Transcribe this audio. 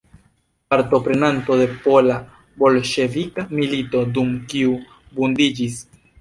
Partoprenanto de pola-bolŝevika milito dum kiu vundiĝis.